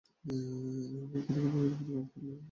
এখানে কিভাবে এর ব্যতিক্রম করল তা বোধগম্য নয়।